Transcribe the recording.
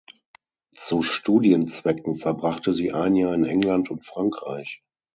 Zu Studienzwecken verbrachte sie ein Jahr in England und Frankreich.